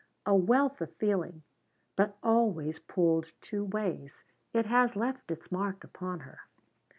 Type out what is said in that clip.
A wealth of feeling but always pulled two ways. It has left its mark upon her."